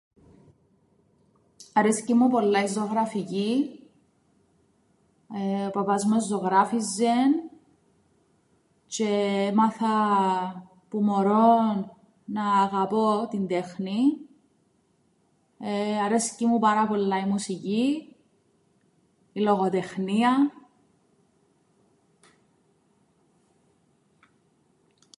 Αρέσκει μου πολλά η ζωγραφική, ο παπάς μου εζωγράφιζεν τζ̆αι έμαθα που μωρόν να αγαπώ την τέχνην. Αρέσκει μου πάρα πολλά η μουσική, η λογοτεχνία.